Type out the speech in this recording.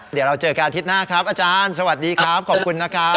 เดี๋ยวเราเจอกันอาทิตย์หน้าครับอาจารย์สวัสดีครับขอบคุณนะครับ